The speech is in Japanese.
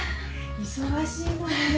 忙しいのね。